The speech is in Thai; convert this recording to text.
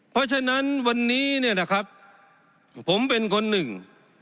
เพราะฉะนั้นวันนี้เนี่ยนะครับผมเป็นคนหนึ่ง